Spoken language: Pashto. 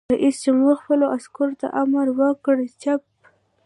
رئیس جمهور خپلو عسکرو ته امر وکړ؛ چپ!